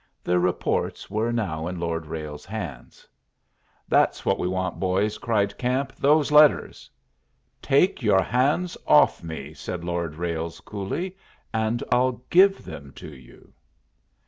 The reports were now in Lord Ralles's hands. "That's what we want, boys," cried Camp. "Those letters." "Take your hands off me," said Lord Ralles, coolly, "and I'll give them to you."